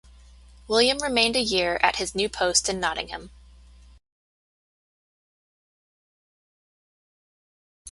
William remained a year at his new post in Nottingham.